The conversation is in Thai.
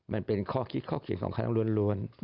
มันเป็นข้อคิดข้อเขียนของเขาทั้งรวน